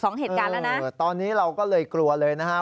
สองเหตุการณ์แล้วนะเออตอนนี้เราก็เลยกลัวเลยนะฮะ